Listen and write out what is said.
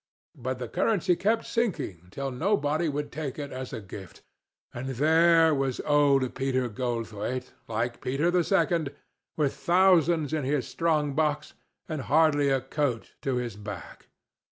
But the currency kept sinking till nobody would take it as a gift, and there was old Peter Goldthwaite, like Peter the second, with thousands in his strong box and hardly a coat to his back.